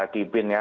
di bin ya